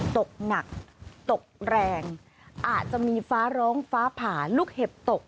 ตกหนักตกแรงอาจจะมีฟ้าร้องฟ้าผ่าลูกเห็บตก